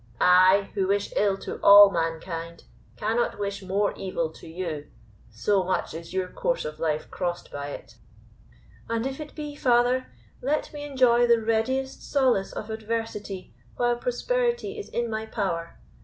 I, who wish ill to all mankind, cannot wish more evil to you, so much is your course of life crossed by it." "And if it be, father, let me enjoy the readiest solace of adversity while prosperity is in my power.